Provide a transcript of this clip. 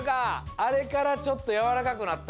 あれからちょっとやわらかくなった？